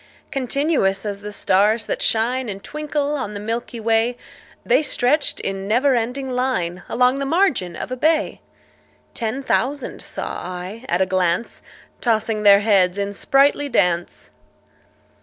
Continuous as the stars that shine And twinkle on the milky way, The stretched in never ending line Along the margin of a bay: Ten thousand saw I at a glance, Tossing their heads in sprightly dance.